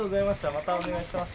またお願いします。